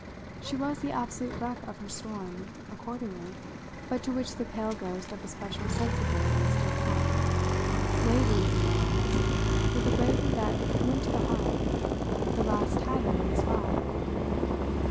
She was the absolute wreck of her storm, accordingly, but to which the pale ghost of a special sensibility still clung, waving from the mast, with a bravery that went to the heart, the last tatter of its flag.